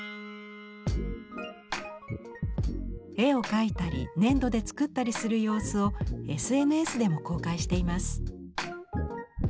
絵を描いたり粘土で作ったりする様子をＳＮＳでも公開しています。